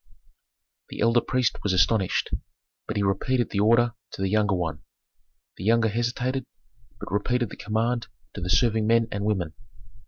The elder priest was astonished, but he repeated the order to the younger one. The younger hesitated, but repeated the command to the serving men and women.